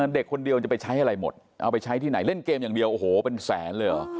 เด็กคนเดียวจะไปใช้อะไรหมดเอาไปใช้ที่ไหนเล่นเกมอย่างเดียวโอ้โหเป็นแสนเลยเหรอ